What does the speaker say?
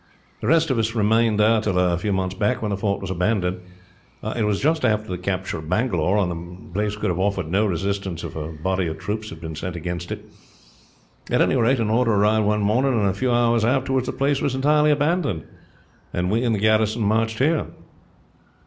The rest of us remained there till a few months back, when the fort was abandoned. It was just after the capture of Bangalore, and the place could have offered no resistance, if a body of troops had been sent against it. At any rate, an order arrived one morning, and a few hours afterwards the place was entirely abandoned, and we and the garrison marched here."